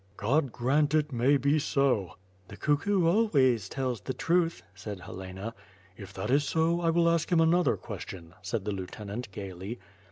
"God grant it may be so." • "The cuckoo always tells the truth," said Helena. "If that is so, I will ask him another question," said the lieutenant gaily.